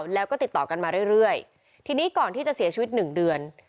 แล้วก็ติดต่อกันมาเรื่อยทีนี้ก่อนที่จะเสียชีวิตหนึ่งเดือน